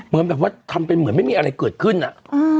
เหมือนแบบว่าทำเป็นเหมือนไม่มีอะไรเกิดขึ้นอ่ะอืม